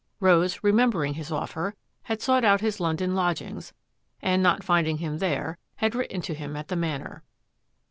Rose, remembering his offer, had sought out his London lodgings, and not finding him there, had written to him at the Manor.